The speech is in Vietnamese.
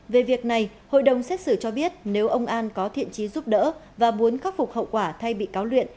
về việc này hội đồng xét xử cho biết nếu ông an có thiện trí giúp đỡ và muốn khắc phục hậu quả thay bị cáo luyện